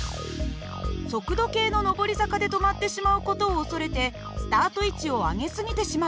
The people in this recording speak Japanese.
速度計の上り坂で止まってしまう事を恐れてスタート位置を上げ過ぎてしまったようです。